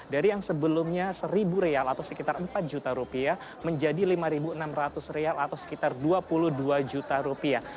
dari yang sebelumnya seribu real atau sekitar empat juta rupiah menjadi lima enam ratus rial atau sekitar dua puluh dua juta rupiah